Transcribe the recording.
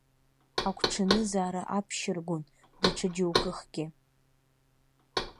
Агәҽанызаара аԥшьыргон даҽаџьоукыхгьы.